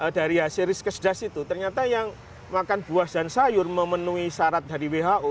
dari hasil risk kesedas itu ternyata yang makan buah dan sayur memenuhi syarat dari who